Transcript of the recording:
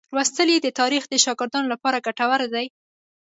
لوستل یې د تاریخ د شاګردانو لپاره ګټور دي.